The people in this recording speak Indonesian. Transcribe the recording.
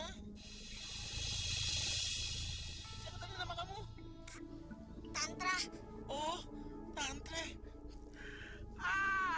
nama kamu tantra oh tantra